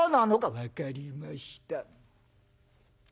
「分かりました」。